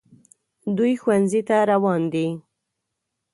دوی ښوونځي ته روان دي